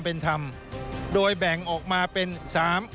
ส่วนต่างกระโบนการ